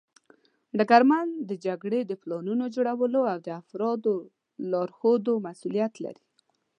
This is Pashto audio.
ډګرمن د جګړې د پلانونو جوړولو او د افرادو لارښودلو مسوولیت لري.